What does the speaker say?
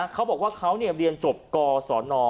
เขาบอกว่าเค้าเนี่ยเรียนจบกสน